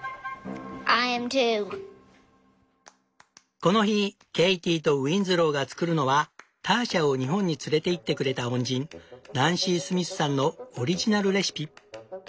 この日ケイティとウィンズローが作るのはターシャを日本に連れていってくれた恩人ナンシー・スミスさんのオリジナルレシピ。